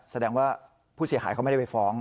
แสดงว่าผู้เสียหายเขาไม่ได้ไปฟ้อง